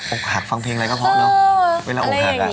ออกหักฟังเพลงอะไรก็พอเนอะ